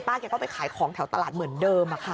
แกก็ไปขายของแถวตลาดเหมือนเดิมค่ะ